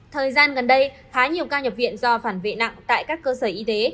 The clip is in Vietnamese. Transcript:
thời gian gần đây khá nhiều ca nhập viện do phản vệ nặng tại các cơ sở y tế